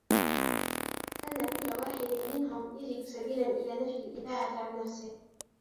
أَنَّ كُلَّ وَاحِدٍ مِنْهُمْ يَجِدُ سَبِيلًا إلَى نَفْيِ الْإِذَاعَةِ عَنْ نَفْسِهِ